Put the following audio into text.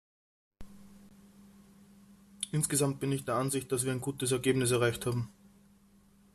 Insgesamt bin ich der Ansicht, dass wir ein gutes Ergebnis erreicht haben.